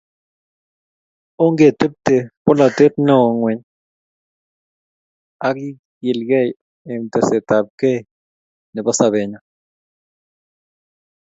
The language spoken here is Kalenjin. Ongetebte polatet neo ngweny akekilkei eng tesetaetabkei nebo sobenyo